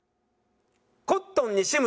コットン西村。